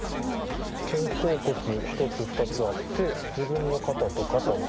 肩甲骨１つ２つあって自分の肩と肩を合わせ。